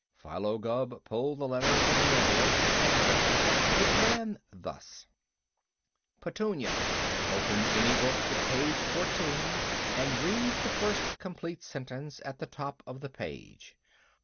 Philo Gubb pulled the letter from the envelope and read it. It ran thus: PETUNIA: Open any book at page fourteen and read the first complete sentence at the top of the page.